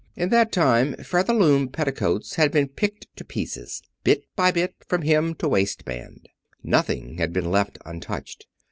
In that time Featherloom petticoats had been picked to pieces, bit by bit, from hem to waist band. Nothing had been left untouched.